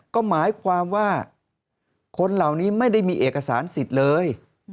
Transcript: ก็หมายความว่าคนเหล่านี้ไม่ได้มีเอกสารสิทธิ์เลย